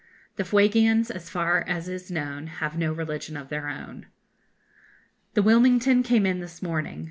The Fuegians, as far as is known, have no religion of their own. The 'Wilmington' came in this morning.